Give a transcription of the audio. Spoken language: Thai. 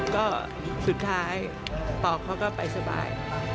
ก็สุดท้ายปอกเขาก็ไปสบาย